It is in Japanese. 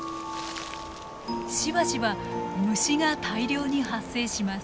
しばしば虫が大量に発生します。